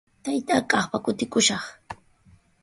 Taytaa kaqpa kutikushaq.